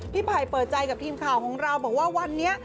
ไผ่เปิดใจกับทีมข่าวของเราบอกว่าวันนี้